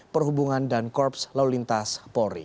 perhubungan dan korps lalu lintas polri